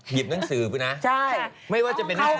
หยิบหนังสือครึ่งน้ำนะไม่ว่าจะเป็นในห้องใช่